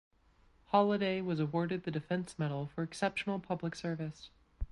Holliday was awarded the Defense Medal for Exceptional Public Service.